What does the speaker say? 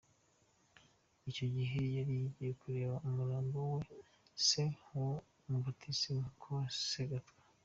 Icyo gihe ngo yari yagiye kureba umurambo wa se wo mu batisimu, Col Sagatwa.